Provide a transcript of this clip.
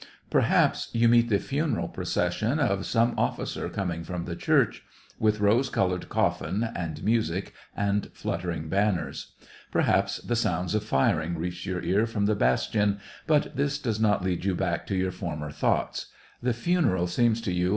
Perhaps you meet the funeral procession of some officer coming from the church, with rose colored coffin, and music and fluttering banners ; perhaps the sounds of firing reach your ear from the bastion, but this does not lead you back to your former thoughts ; the funeral seems to you SEVASTOPOL IN DECEMBER.